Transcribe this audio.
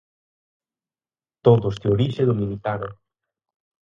Todos de orixe dominicana.